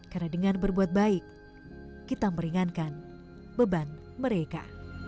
karena dengan berbuat baik kita meringankan beban mereka